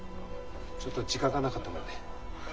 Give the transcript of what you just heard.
ちょっと時間がなかったもので。